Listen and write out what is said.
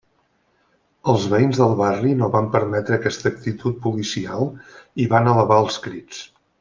Els veïns del barri no van permetre aquesta actitud policial i van elevar els crits.